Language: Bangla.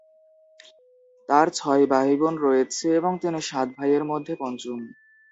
তার ছয় ভাইবোন রয়েছে এবং তিনি সাত ভাইয়ের মধ্যে পঞ্চম।